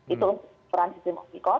itu peran sistem oktikot